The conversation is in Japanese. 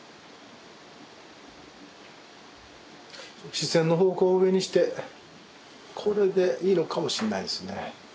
視線の方向を上にしてこれでいいのかもしんないですね。